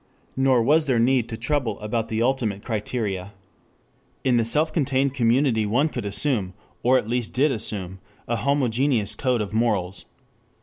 Nor was there need to trouble about the ultimate criteria. In the self contained community one could assume, or at least did assume, a homogeneous code of morals.